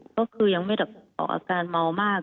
ก็คือยังไม่ได้ออกอาการเมามาก